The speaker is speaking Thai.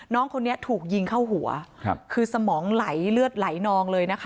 น้องคนนี้ถูกยิงเข้าหัวคือสมองไหลเลือดไหลนองเลยนะคะ